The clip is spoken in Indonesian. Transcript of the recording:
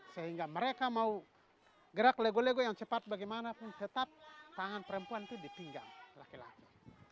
sehingga mereka mau gerak lego lego yang cepat bagaimanapun tetap tangan perempuan itu dipinjam laki laki